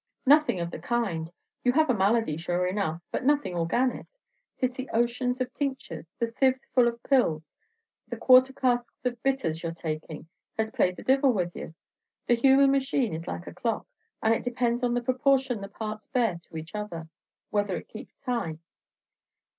"Nothing of the kind! You have a malady, sure enough, but nothing organic. 'Tis the oceans of tinctures, the sieves full of pills, the quarter casks of bitters you 're takin', has played the divil with you. The human machine is like a clock, and it depends on the proportion the parts bear to each other, whether it keeps time.